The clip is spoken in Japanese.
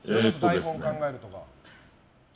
台本を考えるとか。